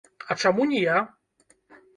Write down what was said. А чаму не я?